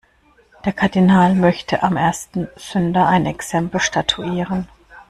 Der Kardinal möchte am ersten Sünder ein Exempel statuieren.